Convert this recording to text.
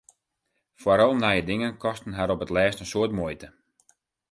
Foaral nije dingen kosten har op 't lêst in soad muoite.